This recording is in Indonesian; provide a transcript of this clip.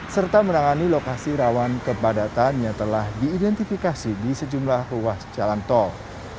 serta menangani lokasi rawan kepadatan yang telah diidentifikasi di sejumlah ruas jalan tol